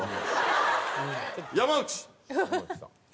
山内！